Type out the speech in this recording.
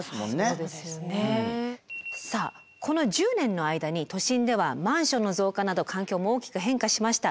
さあこの１０年の間に都心ではマンションの増加など環境も大きく変化しました。